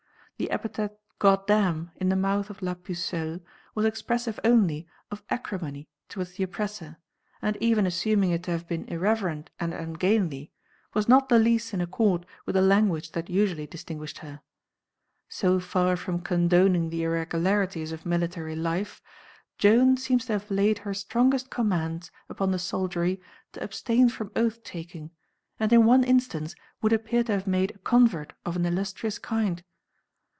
The epithet "Goddam" in the mouth of La Pucelle was expressive only of acrimony towards the oppressor, and even assuming it to have been irreverent and ungainly, was not the least in accord with the language that usually distinguished her. So far from condoning the irregularities of military life, Joan seems to have laid her strongest commands upon the soldiery to abstain from oath taking, and in one instance would appear to have made a convert of an illustrious kind.